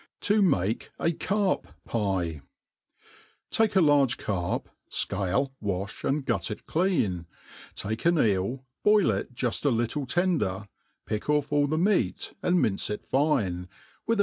To make a Carp'Pie, TAKE a large carp, fcale, wa(h, and gutrit clean ; take an eel, boil it juft a little tender, pick oiF all the meat and mince it fine, with an.